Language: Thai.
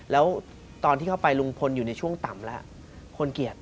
แล้วตอนที่เข้าไปลุงพลอยู่ในช่วงต่ำแล้วคนเกลียด